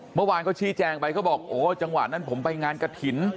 เมื่อวานเขาชี้แจงไปเขาบอกโอ้จังหวะนั้นผมไปงานกระถิ่น